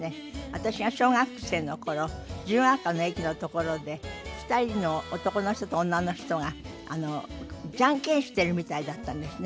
私が小学生の頃自由が丘の駅のところで２人の男の人と女の人がジャンケンしているみたいだったんですね。